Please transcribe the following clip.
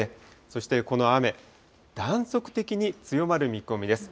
そしてこの雨、断続的に強まる見込みです。